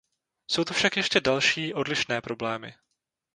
Jsou tu však ještě další, odlišné problémy.